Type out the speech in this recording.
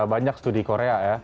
banyak studi korea ya